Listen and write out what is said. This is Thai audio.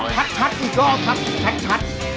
ชัดอีกรอบครับชัด